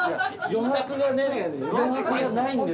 余白がないんですよ。